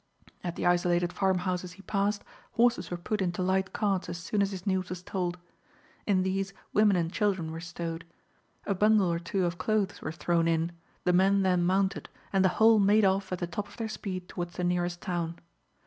At the isolated farmhouses he passed, horses were put into light carts as soon as his news was told. In these women and children were stowed. A bundle or two of clothes were thrown in, the men then mounted, and the whole made off at the top of their speed towards the nearest town.